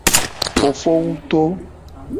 Fofowu to.